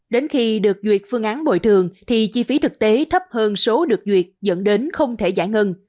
đến khi được duyệt phương án bồi thường thì chi phí thực tế thấp hơn số được duyệt dẫn đến không thể giải ngân